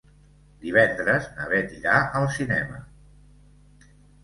Divendres na Bet irà al cinema.